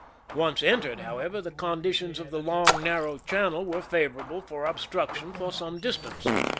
Once entered, however, the con ditions of the long, narrow channel were favorable for obstruction for some distance.